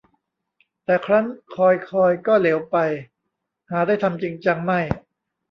แต่ครั้นคอยคอย ก็เหลวไปหาได้ทำจริงจังไม่